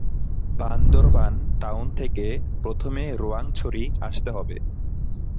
Bandarban town থেকে প্রথমে রোয়াংছড়ি আসতে হবে।